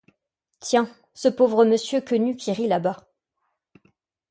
Tiens, ce pauvre monsieur Quenu qui rit là-bas.